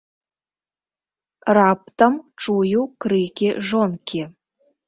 Раптам чую крыкі жонкі.